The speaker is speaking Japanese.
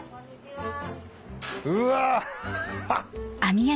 うわ！